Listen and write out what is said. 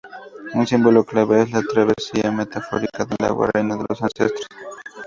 Un símbolo clave es la travesía metafórica del agua, reino de los ancestros.